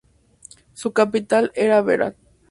Su capital era Berat.